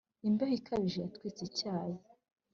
imbeho ikabije yatwitse icyayi